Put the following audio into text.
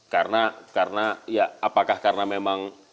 karena karena ya apakah karena memang